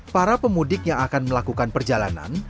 para pemudik yang akan melakukan perjalanan